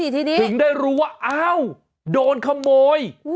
ถึงได้รู้ว่าอ้าวโดนขโมย